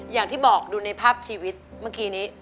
อย่างที่บอกดูในภาพชีวิตเมื่อกี้นี้